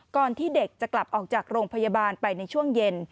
ที่เด็กจะกลับออกจากโรงพยาบาลไปในช่วงเย็น